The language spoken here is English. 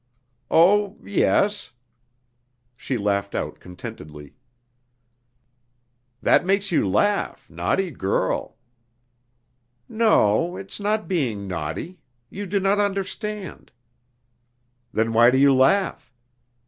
"Oh, yes." She laughed out contentedly. "That makes you laugh, naughty girl!" "No, it's not being naughty. You do not understand." "Then why do you laugh?"